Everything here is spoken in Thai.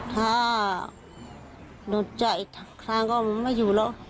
ถ้าโดนจากอีกครั้งก็ไม่อยู่แล้ว